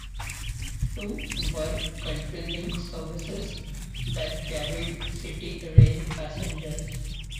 Two were CountryLink services that carried CityRail passengers.